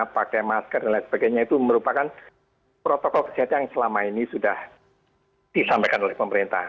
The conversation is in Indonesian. pakai masker dan lain sebagainya itu merupakan protokol kesehatan yang selama ini sudah disampaikan oleh pemerintah